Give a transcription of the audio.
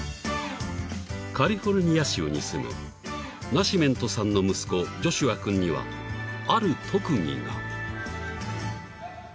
［カリフォルニア州に住むナシメントさんの息子ジョシュア君にはある特技が］